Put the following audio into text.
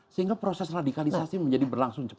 sehingga proses radikalisasi menjadi berlangsung cepat